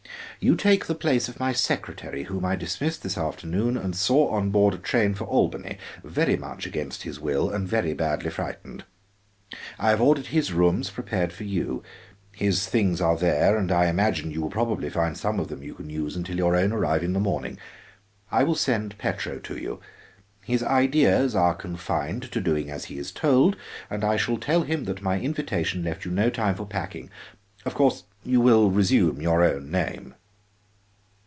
You take the place of my secretary, whom I dismissed this afternoon and saw on board a train for Albany, very much against his will and very badly frightened. I have ordered his rooms prepared for you. His things are there, and I imagine you will probably find some of them you can use until your own arrive in the morning. I will send Petro to you; his ideas are confined to doing as he is told, and I shall tell him that my invitation left you no time for packing. Of course you will resume your own name."